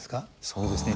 そうですね。